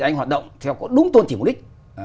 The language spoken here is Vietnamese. anh hoạt động theo có đúng tôn trì mục đích